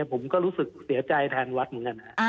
ผมก็รู้สึกเสียใจแทนวัดเหมือนกัน